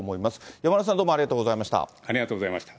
山村さん、どうもありがとうござありがとうございました。